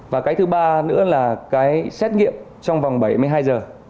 và cái thứ ba nữa là cái xét nghiệm trong vòng bảy mươi hai giờ